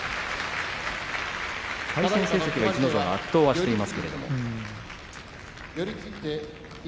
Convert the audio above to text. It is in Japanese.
対戦成績は逸ノ城が圧倒しています。